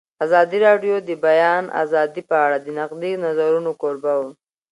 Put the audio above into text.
ازادي راډیو د د بیان آزادي په اړه د نقدي نظرونو کوربه وه.